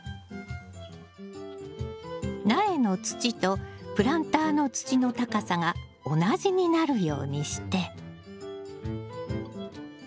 苗の土とプランターの土の高さが同じになるようにして。